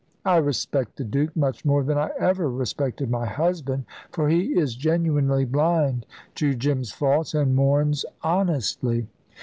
I respect the Duke much more than I ever respected my husband, for he is genuinely blind to Jim's faults and mourns honestly.